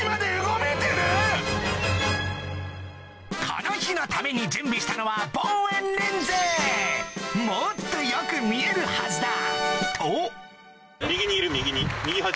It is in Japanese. この日のために準備したのはもっとよく見えるはずだと・右端？